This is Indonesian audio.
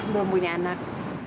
belum punya anak